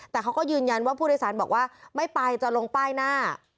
แต่เขาก็ยืนยันว่าผู้โดยสารบอกว่าไม่ไปจะลงป้ายหน้า